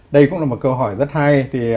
đây cũng là một câu hỏi rất hay